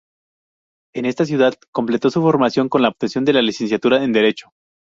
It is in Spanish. En esta ciudad completó su formación con la obtención de la licenciatura en Derecho.